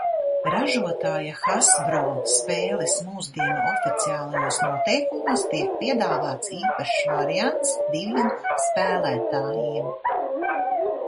"Ražotāja "Hasbro" spēles mūsdienu oficiālajos noteikumos tiek piedāvāts īpašs variants diviem spēlētājiem."